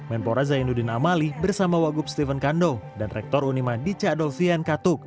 emporah zainuddin amali bersama wagup stephen kando dan rektor unima dicado vian katuk